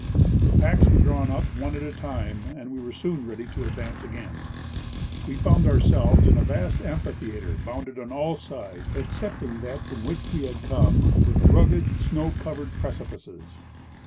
The packs were drawn up one at a time and we were soon ready to advance again. We found ourselves in a vast amphitheatre bounded on all sides excepting that from which we had come with rugged, snow Irised Cloud Banners. 151 covered precipices.